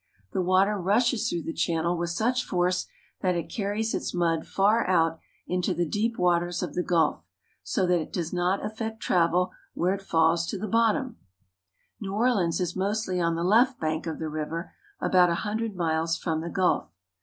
The water rushes through the channel with such force that it carries its mud far out into the deep waters of the gulf, so that it does not affect travel where it falls to the bottom. Canal Street, New Orleans. New Orleans is mostly on the left bank of the river, about a hundred miles from the gulf.